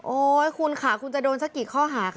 โอ๊ยคุณค่ะคุณจะโดนสักกี่ข้อหาคันนี้